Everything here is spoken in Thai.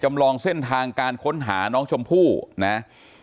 ลองเส้นทางการค้นหาน้องชมพู่นะ